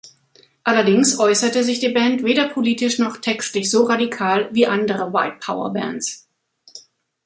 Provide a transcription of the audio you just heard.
Allerdings äußerte sich die Band weder politisch noch textlich so radikal, wie andere White-Power-Bands.